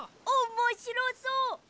おもしろそう！